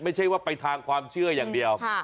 ไม่ใช่ว่าไปทางความเชื่ออย่างเดียว